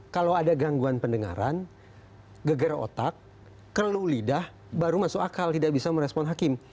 kalau ada gangguan pendengaran geger otak keluh lidah baru masuk akal tidak bisa merespon hakim